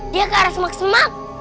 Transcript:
dia ke arah semak semak